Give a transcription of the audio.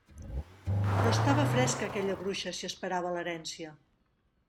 Però estava fresca aquella bruixa si esperava l'herència!